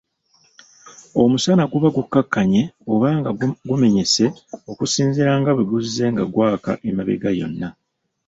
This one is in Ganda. Omusana guba gukkakkanye oba nga gumenyese okusinziira nga bwe guzze nga gwaka emabega yonna.